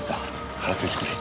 払っといてくれ。